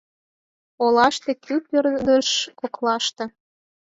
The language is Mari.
Олаште, кӱ пырдыж коклаште